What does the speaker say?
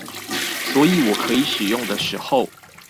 所以我可以使用的時候